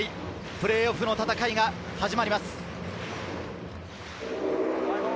プレーオフの戦いが始まります。